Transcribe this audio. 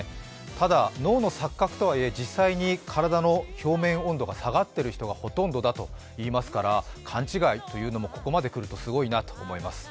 ただ、脳の錯覚とはいえ、実際に体の表面温度が下がっている人がほとんどだそうですから勘違いというのも、ここまで来るとすごいなと思います。